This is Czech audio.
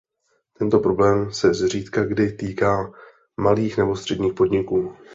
Tento problém se zřídkakdy týká malých nebo středních podniků.